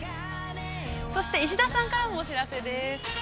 ◆そして、石田さんからもお知らせです。